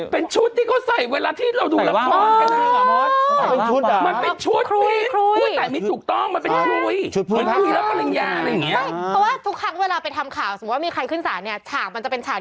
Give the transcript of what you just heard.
เป็นชุดที่เขาใส่เวลาที่เราดูละครอ๋อใส่ว่างอ่ะมันเป็นชุดหรอมันเป็นชุด